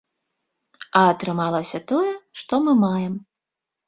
А атрымалася тое, што мы маем.